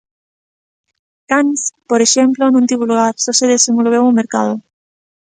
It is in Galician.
Cannes, por exemplo, non tivo lugar, só se desenvolveu o mercado.